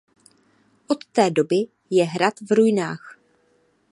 Od té doby je hrad v ruinách.